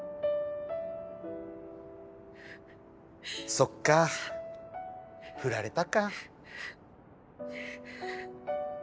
そっか振られたか。